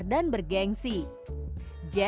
ini ini orang suka